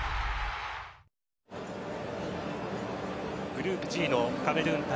グループＧのカメルーン対